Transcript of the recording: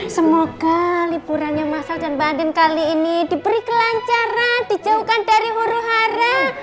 semoga liburannya masal dan banding kali ini diberi kelancaran dijauhkan dari huru hara